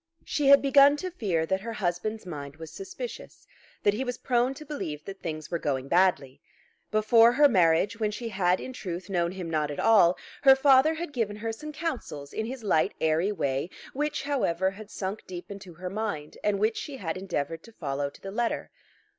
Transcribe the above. She had begun to fear that her husband's mind was suspicious, that he was prone to believe that things were going badly. Before her marriage, when she had in truth known him not at all, her father had given her some counsels in his light airy way, which, however, had sunk deep into her mind and which she had endeavoured to follow to the letter.